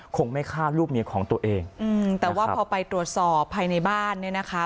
คงไม่ฆ่าลูกเมียของตัวเองอืมแต่ว่าพอไปตรวจสอบภายในบ้านเนี่ยนะคะ